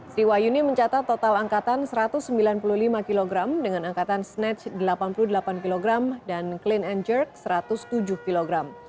sriwayuni mencatat total angkatan satu ratus sembilan puluh lima kg dengan angkatan snatch delapan puluh delapan kg dan clean and jerk satu ratus tujuh kg